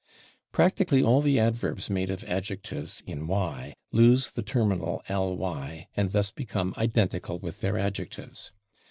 Practically all the adverbs made of adjectives in / y/ lose the terminal / ly/ and thus become identical with their adjectives.